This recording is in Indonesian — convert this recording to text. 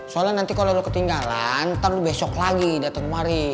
soalnya nanti kalau lo ketinggalan ntar lu besok lagi datang kemari